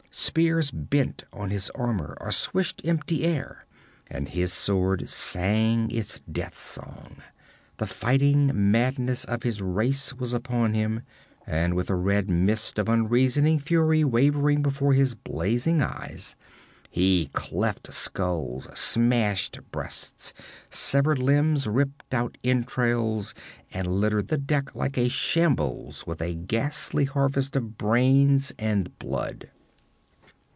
Spears bent on his armor or swished empty air, and his sword sang its death song. The fighting madness of his race was upon him, and with a red mist of unreasoning fury wavering before his blazing eyes, he cleft skulls, smashed breasts, severed limbs, ripped out entrails, and littered the deck like a shambles with a ghastly harvest of brains and blood.